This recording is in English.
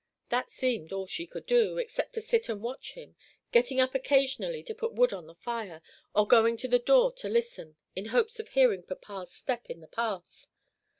That seemed all she could do, except to sit and watch him, getting up occasionally to put wood on the fire, or going to the door to listen, in hopes of hearing papa's step in the path.